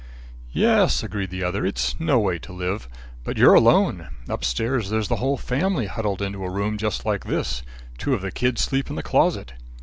"Yes," agreed the other, "it's no way to live. But you're alone. Upstairs there's a whole family huddled into a room just like this. Two of the kids sleep in the closet.